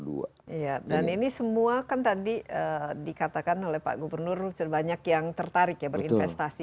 dan ini semua kan tadi dikatakan oleh pak gubernur banyak yang tertarik ya berinvestasi